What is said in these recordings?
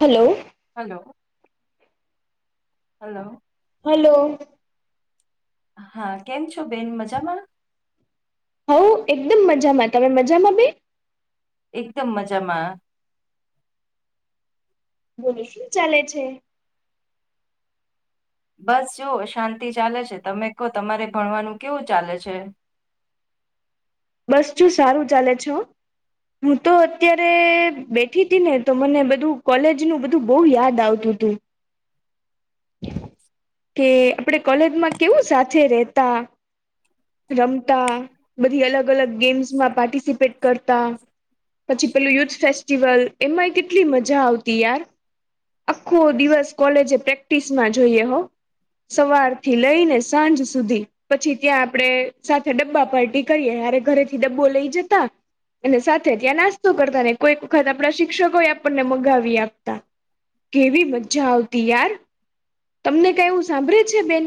Hello hello hello hello હા કેમ છો બેન મજામાં હઉ એકદમ મજામાં તમે મજામાં બે એકદમ મજામાં બોલો શું ચાલે છે બસ જોુવ શાંતિ ચાલે છે તમે કહો તમારે ભણવાનું કેવું ચાલે છે બસ જોું સારું ચાલે છો હું તો અત્યારે બેઠી હતી ને તો મને બધું કોલેજ નું બધું બહુ યાદ આવતું હતું કે આપણે કોલેજમાં કેવું સાથે રતા રમતા બધી અલગ અલગ ગેમ્સમાં પાર્ટિસિપેટ કરતા પછી પેલું યુથ ફેસ્ટિવલ એમાં કેટલી મજા આવતી યાર આખો દિવસ કોલેજે પ્રેક્ટિસમાં જોઈએ હો સવારથી લઈને સાંજ સુધી પછી ત્યાં આપડે સાથે ડબ્બા પાર્ટી કરીએ હારે ઘરેથી બોલાઈ જતા અને સાથે ત્યાં નાસ્તો કરતા રહ કોઈક વખત આપણા શિક્ષકો એ આપણને મગાવી આપતા. કેવી મજા આવતી યાર તમને કઈવું સાંભળે છે બેન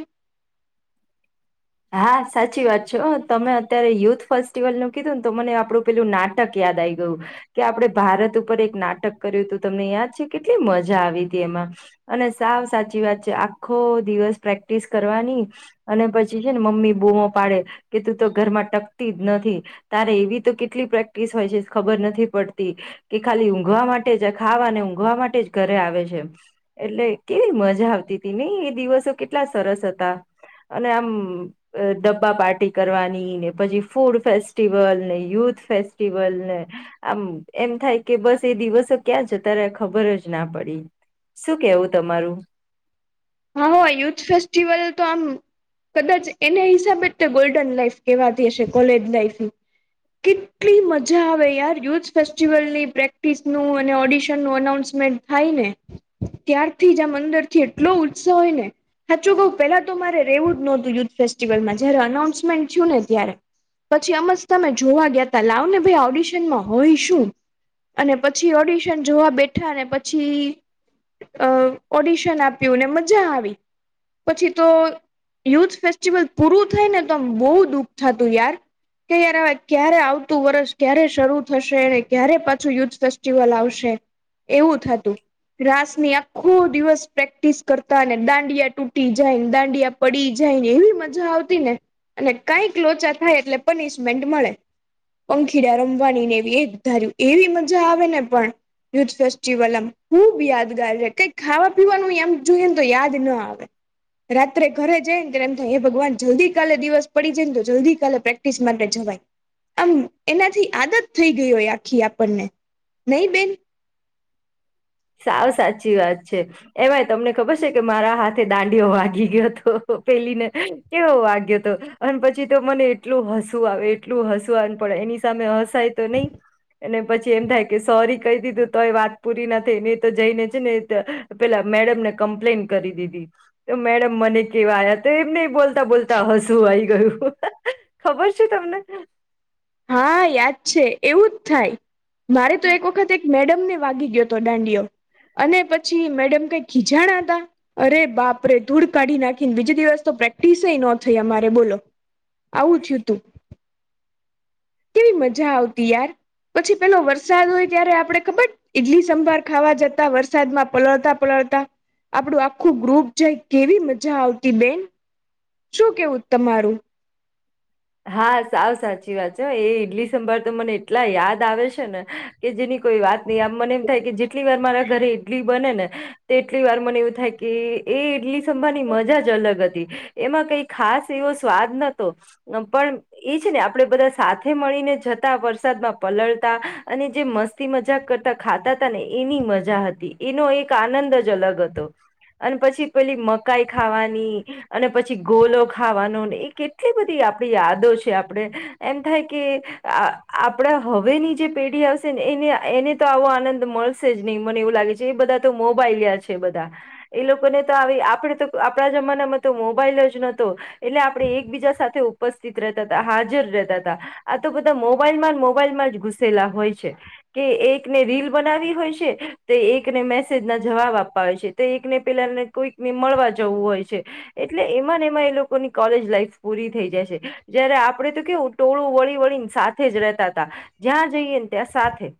હા સાચી વાત છે તમે અત્યારે યુથ ફેસ્ટિવલ નું કીધું ને તો મને આપડું પેલું નાટક ય યાદ આવી ગયું કે આપડણે ભારત ઉપર એક નાટક કર્યું હતું તમને યાદ છે કેટલી મજા આવી હતી એમાં અને સાવ સાચી વાત છે આખો દિવસ પ્રેક્ટિસ કરવાની અને પછી ને મમ્મી બોમો પાડે કે તું તો ઘરમાં ટકતી જ નથી તારે એવી તો કેટલી પ્રેક્ટિસ હોય છે ખબર નથી પડતી કે ખાલી ઊંઘવા માટે જ ખાવા અને ઊંઘવા માટે જ ઘરે આવે છે. એટલે કેવી મજા આવતી હતી નહી એ દિવસો કેટલા સરસ હતા અને આમ ડબ્બા પાર્ટી કરવાની ને પછી ફૂડ ફેસ્ટિવલ ને યુથ ફેસ્ટિવલ ને આમ એમ થાય કે બસ એ દિવસો ક્યાં જતા રયા ખબર જ ના પડી. શું કેવું તમારું? હા હ યુથ ફેસ્ટિવલ તો આમ કદાચ એના હિસાબે જ તે ગોલ્ડન લાઈફ કેવાતી હશે કોલેજ લાઈફ. કેટલી મજા આવે યાર યુથ ફેસ્ટિવલની પ્રેક્ટિસનું અને ઓડિશનનું અનાઉન્સ થાય ને ત્યારથી જ આ મંદર થી એટલો ઉત્સહ હોય ને સાચું કઉ પેલા તો મારે રહેવું જ નહોતું યુથ ફેસ્ટિવલમાં જયારે અનાઉન્સમેન્ટ થયું ને ત્યારે પછી આમજ તમે જોવા ગયાતા લાવને ભાઈ ઓડિશનમાં હોય શું? અને પછી ઓડિશન જોવા બેઠાને પછી અ ઓડિશન આપ્યું ને મજા આવી પછી તો યુથ ફેસ્ટિવલ પૂરું થઈ ને તો બહુ દુઃખ થતું યાર કે યાર હવે ક્યારે આવતું વર્ષ ક્યારે શરૂ થશે અને ક્યારે પાછું યુદ્ધ ફેસ્ટિવલ આવશે એવું થતું રાસ ની આખો દિવસ પ્રેક્ટિસ કરતા ને દાંડિયા તૂટી જાયને દાંડિયા પડી જાય ને એવી મજા આવતી ને અને કાઈક લોચા થાય એટલે પનિશમેન્ટ મળે. પંખીડા રમવાની ને એવી એક ધાર્યું એવી મજા આવે ને પણ યુથ ફેસ્ટિવલ આમ ખુબ યાદગાર છે કઈ ખાવા પીવાનું એમ જોઈએને તો યાદ ના આવે રાત્રે ઘરે જાય ને ત એમ થાય એ ભગવાન જલ્દી કાલે દિવસ પડી જાય ને તો જલ્દી કાલે પ્રેક્ટિસ માટે જ ભાઈ આમ એનાથી આદત થઈ ગયહોય આખી આપણને નહી બેન સાવ સાચી વાત છે એમાંય તમને ખબર છે કે મારા હાથે દાંડીિયો માગી ગયો હતો. તો પેલીને કેવો વાગ્યો તો અને પછી તો મને એટલું હસું આવે એટલું હસું આન પ એની સામે હસાય તો નહી અને પછી એમ થાય કે સોરી કહી દીધું તો એ વાત પૂરી ના તેને તો જઈને છે ને ત પેલા મેડમને કમ્પ્લેન કરી દીધી તો મેડમ મને કે આયાતા એમને બોલતા બોલતા હસું આઈ ગયું, ખબર છે તમને? હા યાદ છે એવું જ થાય મારે તો એક વખત એક મેડમને વાગી ગયો હતો દાંડીયો અને પછી મેડમ કઈ ખીચાણાતા અરે બાપરે ધૂળ કાઢી નાખીન બીજે દિવસ તો પ્રેક્ટિસય નો થઈ અમારે બોલો આવું થયું તું કેવી મજા આવતી યાર પછી પેલો વરસાદ હોય ત્યારે આપડે ખબર ઈડલી સંભર ખાવા જતા વરસાદમાં પલળતા પલળતા આપડું આખું ગ્રુપ જાય કેવી મજા આવતી બેન શું કેવું તમારું? હા સાવ સાચી વાત છે હો એ ઈડલી સંભાર તો મને એટલા યાદ આવે છે ને કે જેની કોઈ વાત નહી આમ મને એમ થાય કે જેટલી વાર મારા ઘરે ઈડલી બને ને તેટલી વાર મને એવું થાય કે એ ઈડલી સંભારની મજા જ અલગ હતી એમાં કઈ ખાસ એવો સ્વાદ નતો પણ એ છે ને આપણેે બધા સાથે મળીને જતા વરસાદમાં પલળતા અને જે મ મસ્તી મજાક કરતા ખાતાતા ને એની મજા હતી એનો એક આનંદ જ અલગ હતો. અને પછી પેલી મકાઈ ખાવાની અને પછી ગોલો ખાવાનો એ કેટલી બધી આ આપ યાદો છે આપણે એમ થાય કે આ આપણા હવેની જે પેઢી આવશે ને એ એને તો આવો આનંદ મળશે જ નહીં મને એવું લાગે છે, એ બધા તો મોબાઈલ છે, બધા એ લોકો મને તો આપે તો આપણા જમાનામાં તો મોબાઈલ જ નહતો એટલે આપણેે એક બીજા સાથે ઉપસ્થિત રહેતા હતા હાજર રહેતા હતા આ તો બધા મોબાઈલમાં મોબાઈલમાં જ ઘુસેલા હોય છે. કે એકને રીલ બનાવી હોય છે તે એકને મેસેજ ના જવાબ આપવા હોય છે તે એકને પેલા કોઈક ને મળવા જવું હોય છે એટલે એમાં ને એમાં એ લોકોની કોલેજ લાઈફ પૂરી થઈ જાય છે. જારે આપડે તો કેવું ટોળું વળી વળી સાથે જ રતા હતા જ્યાં જઈએ ને ત્યાં સાથે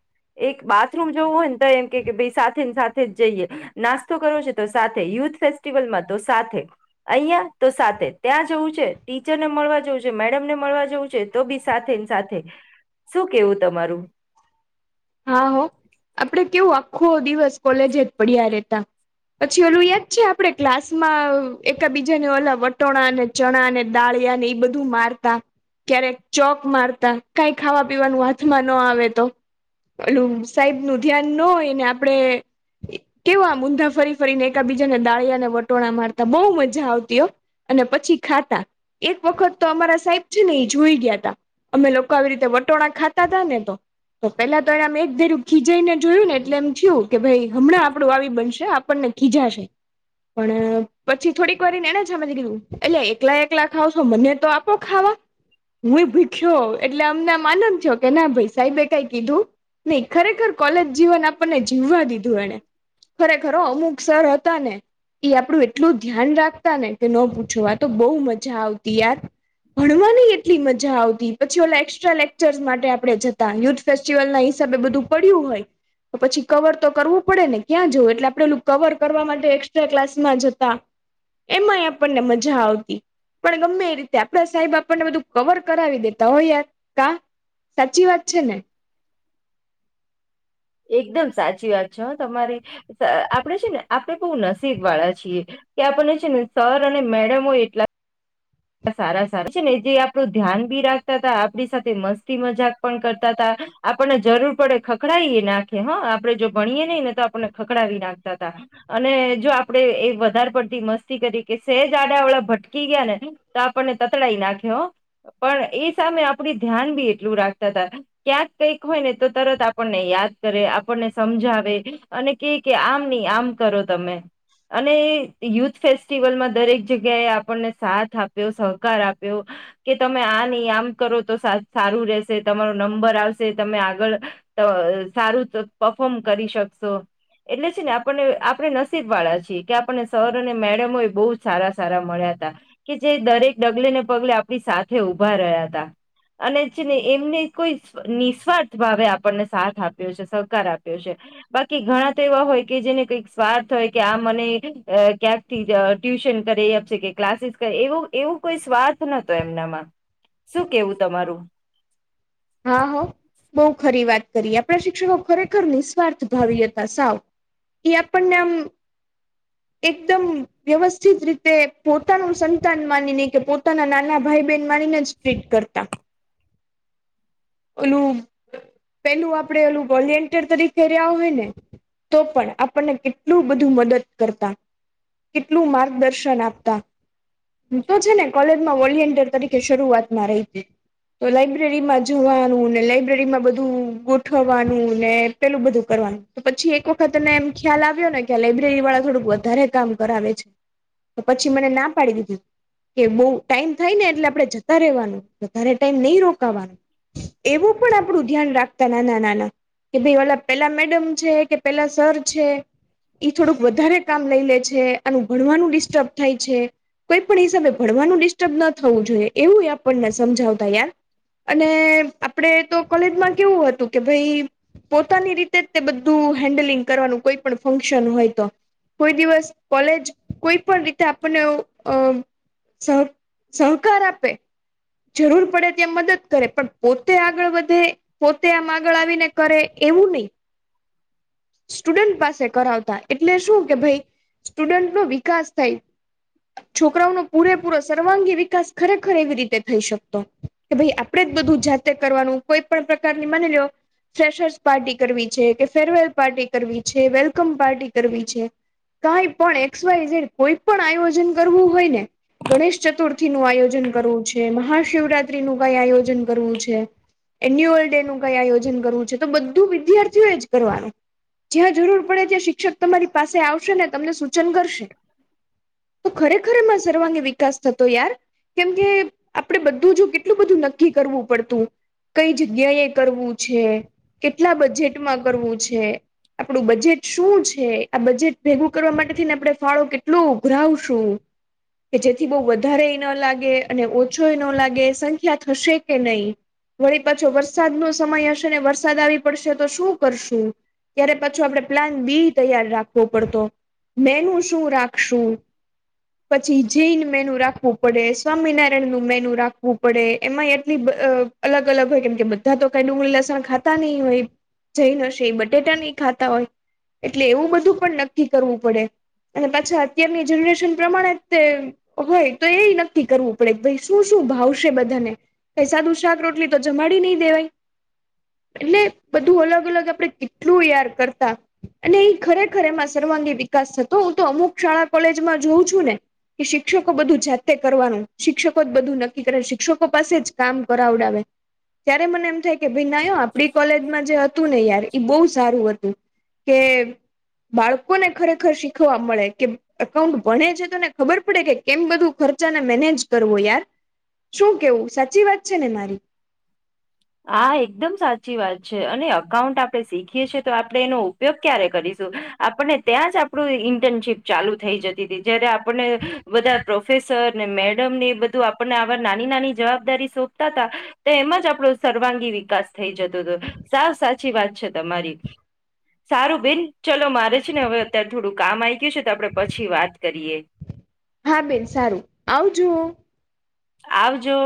એક બાથરૂમ જવું હોય ન તો એમ કે કે બે સાથેને સાથે જ જઈએ નાસ્તો કરવો છે તો સાથે યુ ફેસ્ટિવલમાં તો સાથે ઐયા તો સાથે ત્યાં જવું છે ટીચરને મળવા મેડમ ને મળવા જવું છે તો બી સાથે સાથે શું કેવું તમારું હા હો આપડે કેવું આખો દિવસ કોલેજ જ પડ્યા રહેતા. પછી ઓલું યાદ છે આપડે ક્લાસ માં એકાબીજાની ઓલા વટોણા અને ચણા અને દાળ ને એ બધું મારતા ક્યારેક ચોક મારતા કઈ ખાવા પીવાનું હાથમાં ન આવે તો. ઓલું સાહેબ નું ધ્યાન ન હોય ને આપડે કેવા આ ઊંધા ફરી ફરીને એકાબીજાને દાળીયાને વટોણા મારતા બહુ મજા આવતી હો અને પછી ખાતા એક વખત તો અમારા સાહેબ છે ને એ જોઈ ગયા તા અમે લોકો આવી રીતે વટોણા ખાતા હતાા ને તો પેલા તો એમ એક ધેરું ખીજાઈને જોયું ને એટલે એમ થયું કે ભાઈ હમણાં આપણું આવી બનશે આપણને ખીજાશે. પણ પછી થોડીક વાર ને એને સમજી કીધું એટલે એકલા એકલા ખાવ છો મને તો આપો ખાવા હું એ ભૂખ્યો એટલે અમને માનમ છો કે ના ભાઈ સાહેબે કઈ કીધું નહી ખરેખર કોલેજ જીવન આપણને જીવવા દીધું એણે ખરેખર અમુક સર હતા ને એ આપણું એટલું ધ્યાન રાખતા ને કે ન પૂછવા તો બહુ મજા આવતી યાર ભણવાની એટલી મજા આવતી પછી ઓલા એક્સ્ટ્રા લેક્ચર્સ માટે આપણે જતા યુથ ફેસ્ટિવલ ના હિસાબે બધું પડ્યું હોય. તો પછી કવર તો કરવું પડે ને ક્યાં જવું એટલે આપણેેલું કવર કરવા માટે એકસ્ટ્રા ક્લાસમાં જતા. એમાંય આપણને મજા આવતી. પણ ગમે એ રીતે આપડે સાહેબ આપણને બધું કવર કરાવી દેતા હોય યાર કા સાચી વાત છે ને એકદમ સાચી વાત છે હ તમારે આપડે છે ને આપડે બહુ નસીબ વાળા છીએ. કે આપણને છે ને સર અને મેડમો એટલા સારા સારા છે ને જે આપડું ધ્યાન બી રાખતા હતા આપણી સાથે મસ્તી મજાક પણ કરતા હતા. આપણને જરૂર પડે ખખડાવીએ નાખે હા આપડે જો ભણીએ નહી ને તો આપણને ખખડાવી નાખતા તા. અને જો આપડે એ વધારે પડતી મસ્તી કરી કે સેજ આડા વાળા ભટકી ગયા ને તો આપણને તતડાઈ નાખ્યો પણ એ સામે આપડી ધ્યાન બી એટલું રાખતા હતા ક્યાંક કઈક હોય ને તો તરત આપણને યાદ કરે આપણને સમજાવે અને કે કે આમ નઈ આમ કરો તમે અને યુથ ફેસ્ટિવલમાં દરેક જગ્યાએ આપણને સાથ આપ સહકાર આપ્યો કે તમે આ નહી આમ કરો તો સારું રહેશે તમારો નંબર આવશે. સે તમે આગળ ત સારું પફોર્મ કરી શકશો. એટલે છે ને આપણને આપણે નસીબ વાળા છીએ કે આપણને સર અને મેડમોય બહુ સારા સારા મળ્યા. કે જે દરેક ડગલે ને પગલે આપણી સાથે ઊભા રહ્યા હતા. અને છે ને એમને કોઈ નિસ્વાર્થ ભાવે આપણને સાથ આપ્યો છે સહકાર આપ્યો છે. બાકી ઘણા તો એવા હોય કે જેને કઈક સ્વાર્થ હોય કે આ મને ક્યાંક થી ટ ન કરે અબ જે કે ક્લાસીસ. એવ એવું કોઈ સ્વાર્થ નતો એમનામાં શું કેવું તમારું. હા હ. બહ ખરી વાત કરીએ આપણા શિક્ષકો ખરેખર નિ સ્વાર્થ ભાવિતા સાવ. એપણ નામ એકદમ વ્યવસ્થિત રીતે પોતાનું સંતાન માનીને કે પોતાના નાના ભાઈ. ભાઈ બેનવાણીને જ ટ્વીટ કરતા. એલું પેલું આપડે એલું વોલન્ટિયર તરીકે રહ્યા હોય ને. તો પણ આપણને કેટલું બધું મદદ કરતા. કેટલું માર્ગદર્શન આપતા હ તો છે ને કોલેજમાં વોલન્ટિયર તરીકે શરૂઆતમાં રહી તો લાઈબ્રેરી. જવાનુંને લાઈબ્રેરીમાં બધું ગોઠવાનું ને પેલું બધું કરવાનું પછી. એક વખતને એમ ખ્યાલ આવ્યો ને કે લાઈબ્રેરી વાળા થોડુંક વધારે કામ કરાવે છે તો પછી મને ના પાડી દીધી. કે બઉ ટાઈમ થાય ને એટલે આપડણે જતા રહેવાનું વધારે ટાઈમ નહી રો એવું પણ આપણું ધ્યાન રાખતા નાના નાના કે ભાઈ ઓલા પેલા મેડમ છે કે પેલા સર છે ઈ થોડુંક વધારે કામ લઈ લે છે આનું ભણવાનું ડિસ્ટર્બ થાય છે. કોઈ પણ હિસાબે ભણવાનું ડિસ્ટર્બ ન થવું જોઈએ એવું આપણને સમજાવતા યાર. અને આપડે તો કોલેજમાં કેવું હતું કે ભાઈ પોતાની રીતે જ તે બધું હેન્ડલિંગ કરવાનું કોઈ પણ ફંક્શન હોય તો. કોઈ દિવસ કોલેજ કોઈ પણ રીતે આપણને અ સહ સહકાર આપે જરૂર પડે ત્યાં મદદ. કરે પણ પોતે આગળ વધે પોતે આમ આગળ આવીને કરે એવું નહી. સ્ટુડન્ટ પાસે કરાવતા એટલે શું કે ભાઈ. સ્ટુડન્ટ નો વિકાસ થાય. છોકરાઓ ન પૂરેપૂરો સર્વાંગી વિકાસ ખરેખર એવી રીતે થઈ શકતો કે ભાઈ. આપડે જ બધું જાતે કરવાનું કોઈ પણ પ્રકારની માની લો ફેશર્સ પાર્ટી કરવી છે કે ફેરવેલ પાર્ટી કરવી છે વેલકમ પાર્ટી કરવી છે. કઈ પણ એક્સ, વાઈ, ઝેડ કોઈ પણ આયોજન કરવું હોય ને ગણેશ ચતુર્થીનું આયોજન કરવું છે, મહાશિવરાત્રીનું કઈ આયોજન કરવું છે. એન્યુઅલ ડે નું કઈ આયોજન કરવું છે, તો બધું વિદ્યાર્થીઓ એ જ કરવાનું. જ્યાં જરૂર પડે ત્યાં શિક્ષક તમારી પાસે આવશે ને તમને સૂચન કરશે તો ખરેખર માં સર્વાંગી વિકાસ થતો યાર કેમ કે આપડે બધું જ કેટલું બધું નક્કી કરવું પડતું કઈ જગ્યાએ કરવું છે કેટલા બજેટમાં કરવું છે આપણું બજેટ શું છે? આ બજેટ ભેગું કરવા માટેથી ને આપણે ફાળો કેટલો ઉધરાવશું? કે જેથી બહ વધારે એ ન લાગે અને ઓછો એ ન લાગે સંખ્યા થશે કે નહી વળી પાછો વરસાદ નો સમય હશે ને વરસાદ આવી પડશે તો શું કરશું ત્યારે પછું આપડણે પ્લાન બી તૈયાર રાખવો પડતો મેનું શું રાખશું પછી જૈન મેનુ રાખવું પડે સ્વામિનારાયણ નું મેન રાખવું પડે એમાં એટલી અલગ અલગ હોય કેમ કે બધા તો કઈ ડુંગળી લસણ ખાતા નહી હોય જઈ ન હશે એ બટેટા નહી ખાતા હોય એટલે એવું બધું પણ નક્કી કરવું પડે અને પાછા અત્યારની જનરેશન પ્રમાણે તે હોય, તો એય નક્કી કરવું પડે, ભઈ શું શું ભાવશે બધાને? સાદુ શાક રોટલી તો જમાડી ની દેવાય! એટલે બધું અલગ અલગ આપડ કેટલું યાર કરતા અને એ ખરેખરમાં સર વિકાસ થતો હું તો અમુક શાળા કોલેજમાં જોઉં છું ને કે શિક્ષકો બધું જાતે કરવાનું શિક્ષકો જ બધું નક્કી કરે શિક્ષકો પાસે જ કામ કરાવડાવે ત્યારે મને એમ થાય કે ભાઈ નાયો આપડી કોલેજમાં જે હતું ને યાર બહુ સારું હતું કે બાળકોને ખરેખર શીખવા મળે કે, એકાઉન્ટ ભણે છે. તોને ખબર પડે કે કેમ બધું ખર્ચા મેનેજ કરવો યાર શું કેવું સાચી વાત છે ને મારી હા એકદમ સાચી વાત છે અને અકાઉન્ટ આપડણે શીખીએ છેીએ તો આપડણે એનો ઉપયોગ ક્યારે કરીશ આપને ત્યાં જ આપડું ઇન્ટર્નશીપ ચાલુ થઈ જતી હતી જયારે આપને બધા પ્રોફેસર ને મેડમ ને એ બધું આપણને આ નાની નાની જવાબદારી સોંપતા ત તો એમાં જ આપડો સર્વાંગી વિકાસ થઈ જતો હતો. સાવ સાચી વાત છે તમારી. સારું બેન ચલો મારે છે ને હવે અત્યારે થોડું કામ આ ગયું છે તો આપડે પછી વાત કરીએ હા બેન સારું આવજુઓ આવજો